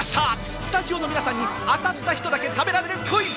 スタジオの皆さんに当たった人だけ食べられるクイズ！